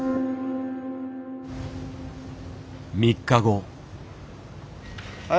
３日後。